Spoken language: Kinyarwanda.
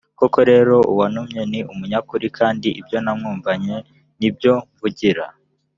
koko rero uwantumye ni umunyakuri kandi ibyo namwumvanye ni byo mvugira